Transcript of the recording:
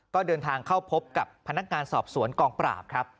ก็เดินทางเข้าพบกับพนักงานสอบสวนกองปราบครับ